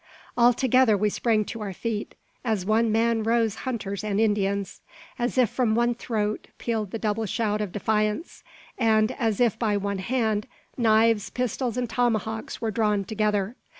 All together we sprang to our feet. As one man rose hunters and Indians. As if from one throat, pealed the double shout of defiance; and, as if by one hand, knives, pistols, and tomahawks were drawn together.